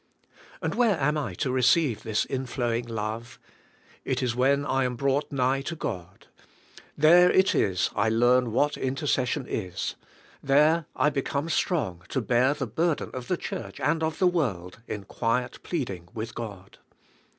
And where am I to receive this inflowing love? It is when I am brought nigh to God. There it is I learn what intercession is; there I become strong to bear the burden of the church and of the world in quiet pleading with God.